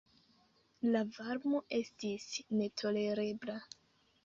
La varmo estis netolerebla.